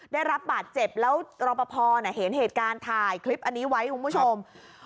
ได้รับบาดเจ็บแล้วรอปภเห็นเหตุการณ์ถ่ายคลิปอันนี้ไว้คุณผู้ชม